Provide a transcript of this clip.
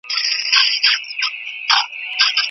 سانسور په ټولنه کي د سياسي پوهاوي مخه څنګه نيسي؟